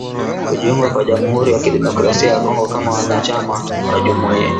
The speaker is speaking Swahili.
kujiunga kwa jamuhuri ya kidemokrasia ya Kongo kama mwanachama wa jumuiya